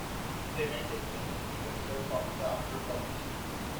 They went insane and threw themselves off the Acropolis.